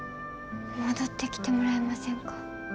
戻ってきてもらえませんか？